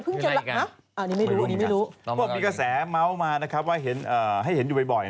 พวกมีกระแสเม้ามาว่าให้เห็นอยู่บ่อย